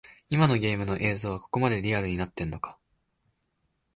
今のゲームの映像はここまでリアルになってんのか